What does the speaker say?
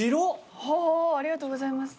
はぁーありがとうございます。